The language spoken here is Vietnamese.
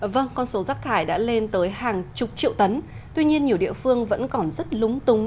vâng con số rác thải đã lên tới hàng chục triệu tấn tuy nhiên nhiều địa phương vẫn còn rất lúng túng